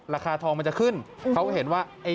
ราคาทองมันจะขึ้นเขาก็เห็นว่า